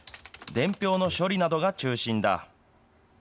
伝票の処理などが中心だ。